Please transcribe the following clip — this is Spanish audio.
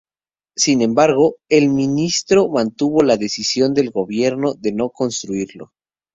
Sin embargo, el ministro mantuvo la decisión del gobierno de no construirlo.